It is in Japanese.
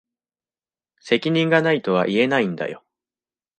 責任が無いとは言えないんだよ。